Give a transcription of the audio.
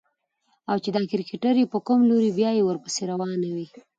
او چې دا کرکټر يې په کوم لوري بيايي ورپسې روانه وي.